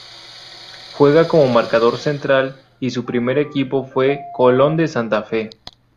Juega como marcador central y su primer equipo fue Colón de Santa Fe.